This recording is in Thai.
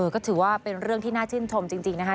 ก็ถือว่าเป็นเรื่องที่น่าชื่นชมจริงนะคะ